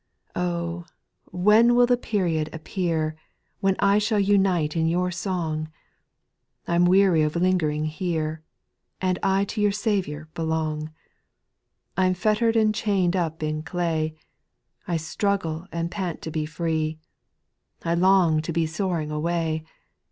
8. Oh ! when will the period appear. When I shall unite in your song ? I 'm weary of lingering here ; And I to your Saviour belong. I 'm fettered and chained up in clay, I struggle and pant to be free ; I long to be soaring away.